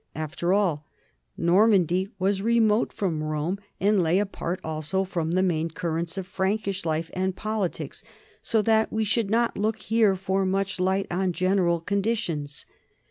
After all, Normandy was remote from Rome and lay apart also from the main currents of Prankish life and politics, so that we should not look here for much light on general conditions.